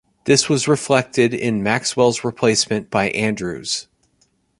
This was reflected in Maxwell's replacement by Andrews.